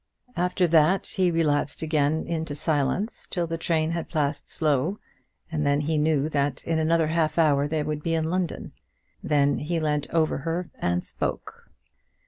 After that he relapsed again into silence till the train had passed Slough, and he knew that in another half hour they would be in London. Then he leant over her and spoke.